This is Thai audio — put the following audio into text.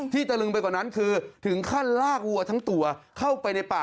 ตะลึงไปกว่านั้นคือถึงขั้นลากวัวทั้งตัวเข้าไปในป่า